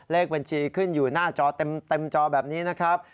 เลขบัญชีขึ้นอยู่หน้าจอเต็มจอแบบนี้นะครับ